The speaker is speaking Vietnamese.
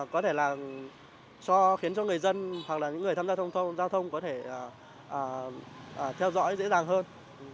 có thể là khiến cho người dân hoặc là những người tham gia giao thông có thể theo dõi dễ dàng hơn